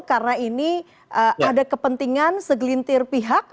karena ini ada kepentingan segelintir pihak